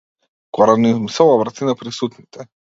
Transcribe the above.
Горан им се обрати на присутните.